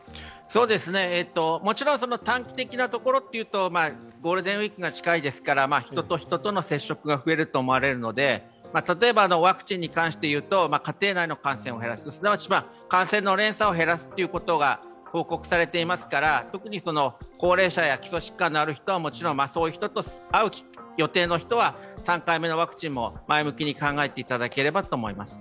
もちろん短期的なところというとゴールデンウイークが近いですから人と人との接触が増えると思われますので例えばワクチンに関して言うと家庭内の感染を減らすすなわち感染の連鎖を減らすということが報告されていますから特に高齢者や基礎疾患のある人やそういう人と会う予定のある人は３回目のワクチンも前向きに考えていただければと思います。